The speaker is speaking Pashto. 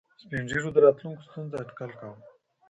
سپین ږیرو د راتلونکو ستونزو اټکل کاوه.